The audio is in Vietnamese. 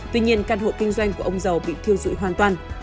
tuy nhiên căn hộ kinh doanh của ông dầu bị thiêu dụi hoàn toàn